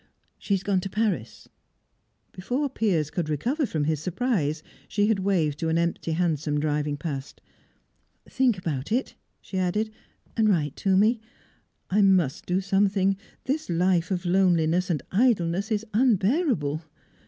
"She's gone to Paris." Before Piers could recover from his surprise, she had waved to an empty hansom driving past. "Think about it," she added, "and write to me. I must do something. This life of loneliness and idleness is unbearable."